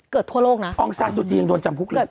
เกิดทั่วโลกนะอองซาซูจียังโดนจำคุกหรือ